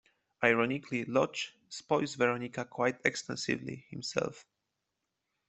Ironically, Lodge spoils Veronica quite extensively himself.